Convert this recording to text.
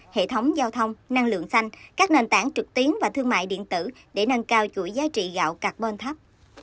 hệ thống giao thông năng lượng xanh các nền tảng trực tiến và thương mại điện tử để nâng cao chuỗi giá trị gạo carbon thấp